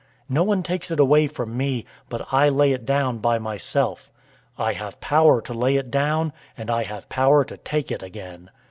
010:018 No one takes it away from me, but I lay it down by myself. I have power to lay it down, and I have power to take it again.